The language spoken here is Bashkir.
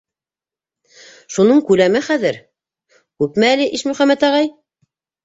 Шуның күләме хәҙер... күпме әле, Ишмөхәмәт ағай?